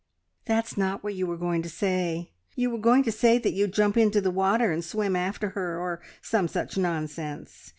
"That's not what you were going to say. You were going to say that you'd jump into the water and swim after her, or some such nonsense.